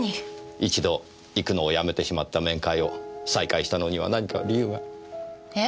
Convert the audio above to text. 一度行くのをやめてしまった面会を再開したのには何か理由が？えっ？